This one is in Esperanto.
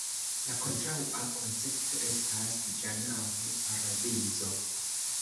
La kontraŭa koncepto estas Ĝanaho (paradizo).